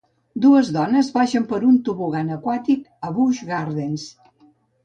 Dues dones baixen per un tobogan aquàtic a Busch Gardens.